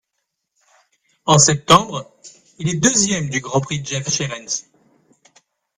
En septembre, il est deuxième du Grand Prix Jef Scherens.